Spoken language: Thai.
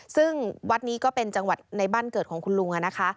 ซึ่งวัดนี้ก็เป็นจังหวัดในบ้านเกิดของคุณลุงนะคะ